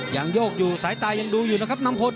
โยกอยู่สายตายังดูอยู่นะครับน้ำพล